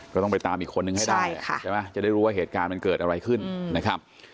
ก็ต้องไปตามอีกคนนึงให้ได้ใช่ไหมจะได้รู้ว่าเหตุการณ์มันเกิดอะไรขึ้นนะครับ